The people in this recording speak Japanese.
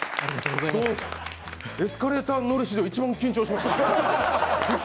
エスカレーター乗る史上一番緊張しました。